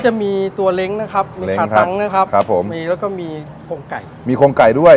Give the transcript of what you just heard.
จะมีตัวเล้งนะครับมีขาตังค์นะครับครับผมมีแล้วก็มีโครงไก่มีโครงไก่ด้วย